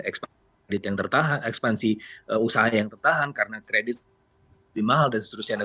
ekspansi kredit yang tertahan ekspansi usaha yang tertahan karena kredit lebih mahal dan seterusnya